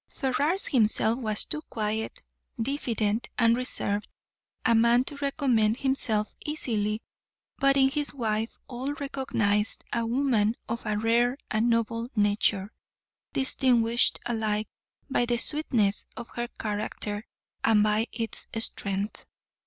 Ferrars himself was too quiet, diffident, and reserved a man to recommend himself easily, but in his wife all recognized a woman of a rare and noble nature, distinguished alike by the sweetness of her character and by its strength.